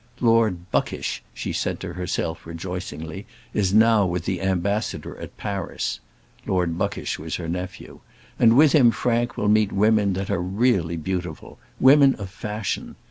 "Lord Buckish," said she to herself, rejoicingly, "is now with the ambassador at Paris" Lord Buckish was her nephew "and with him Frank will meet women that are really beautiful women of fashion.